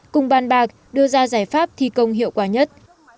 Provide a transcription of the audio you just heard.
cùng bàn bạc đưa ra giải pháp thi công hiệu quả nhất